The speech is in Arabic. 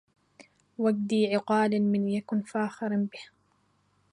وجدي عقال من يكن فاخرا به